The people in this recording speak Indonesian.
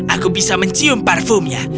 aku bisa mencium parfumnya